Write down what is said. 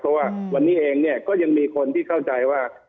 เพราะว่าวันนี้เองเนี่ยก็ยังมีคนที่เข้าใจว่า